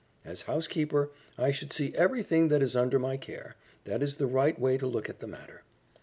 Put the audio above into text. "As housekeeper, I should see everything that is under my care. That is the right way to look at the matter."